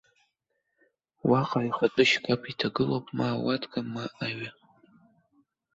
Уаҟа аихатәы шьқаԥ иҭагылоуп ма ауатка, ма аҩы.